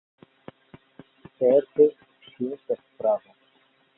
Certe, ŝi estis prava.